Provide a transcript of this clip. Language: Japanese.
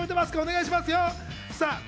お願いしますよ。